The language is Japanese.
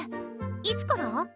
いつから？